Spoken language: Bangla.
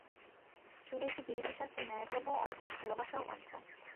শুনেছি বিলিতি শাস্ত্রে ন্যায়ধর্মও অন্ধ, ভালোবাসাও অন্ধ।